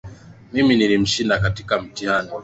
Mimi nilimshinda katika mitihani